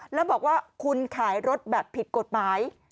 แล้วบอกว่าคุณขายรถแบบผิดกฎหมาย